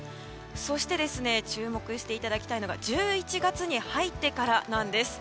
そして注目していただきたいのが１１月に入ってからなんです。